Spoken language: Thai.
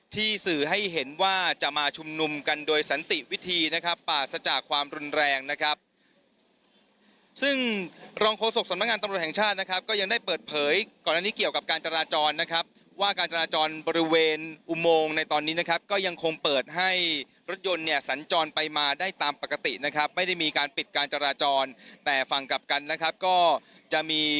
สื่อให้เห็นว่าจะมาชุมนุมกันโดยสันติวิธีนะครับปราศจากความรุนแรงนะครับซึ่งรองโฆษกสำนักงานตำรวจแห่งชาตินะครับก็ยังได้เปิดเผยก่อนอันนี้เกี่ยวกับการจราจรนะครับว่าการจราจรบริเวณอุโมงในตอนนี้นะครับก็ยังคงเปิดให้รถยนต์เนี่ยสัญจรไปมาได้ตามปกตินะครับไม่ได้มีการปิดการจราจรแต่ฝั่งกลับกันนะครับก็จะมี